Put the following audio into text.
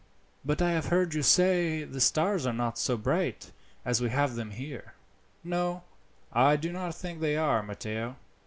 "But I have heard you say that the stars are not so bright as we have them here." "No, I do not think they are, Matteo.